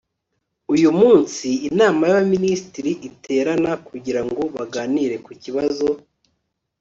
uyu munsi, inama y'abaminisitiri iterana kugira ngo baganire ku kibazo